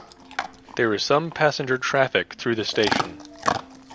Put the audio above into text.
There is some passenger traffic through the station.